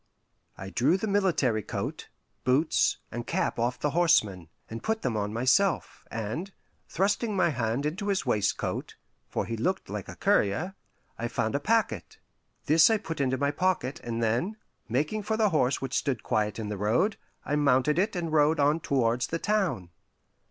I drew the military coat, boots, and cap off the horseman, and put them on myself; and thrusting my hand into his waistcoat for he looked like a courier I found a packet. This I put into my pocket, and then, making for the horse which stood quiet in the road, I mounted it and rode on towards the town.